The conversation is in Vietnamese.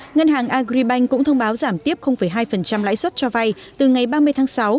ngân hàng agribank cũng thông báo giảm tiếp hai lãi suất cho vay từ ngày ba mươi tháng sáu